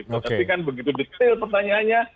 tapi kan begitu detail pertanyaannya